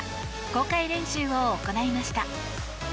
公開練習を行いました。